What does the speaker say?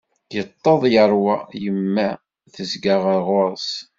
Yeṭṭeḍ yerwa, yemma tezga ɣer ɣur-s.